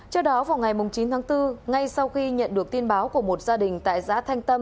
trước đó vào ngày chín tháng bốn ngay sau khi nhận được tin báo của một gia đình